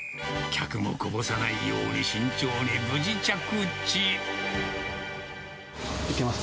客もこぼさないように慎重にいけます？